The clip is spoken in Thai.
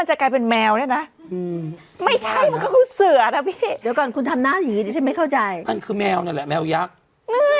ันอยู่ที่บ้านเว้นมันไปแล้วมันจะกลายเป็นแมวไม่ใช่มันก็คือเสือนะพี่